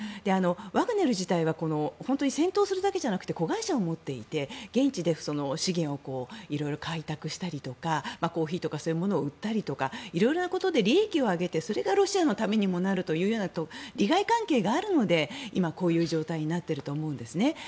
ワグネル自体は本当に戦闘するだけではなくて子会社を持っていて現地で資源を色々開拓したりコーヒーとかそういうものを売ったりとか色々なことで利益を上げてそれがロシアのためにもなるというような利害関係があるので今、こういう状態になっていると思うんですね。